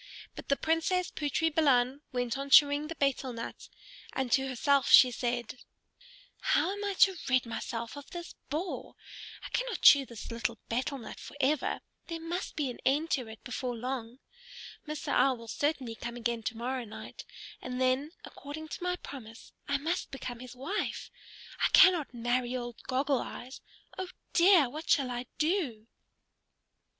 But the Princess Putri Balan went on chewing the betel nut, and to herself she said, [Illustration: Putri Balan began to laugh] "How am I to rid myself of this bore? I cannot chew this little betel nut forever; there must be an end to it before long. Mr. Owl will certainly come again to morrow night, and then, according to my promise, I must become his wife. I cannot marry old Goggle Eyes. Oh dear! What shall I do?"